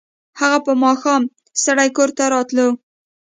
هغه به ماښام ستړی کور ته راتلو